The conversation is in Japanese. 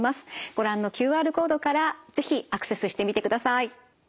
ご覧のＱＲコードから是非アクセスしてみてください。